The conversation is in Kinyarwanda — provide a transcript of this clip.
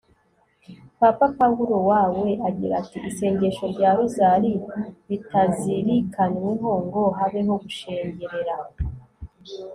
papa pawulo wa we agira ati « isengesho rya rozari ritazirikanyweho ngo habeho gushengerera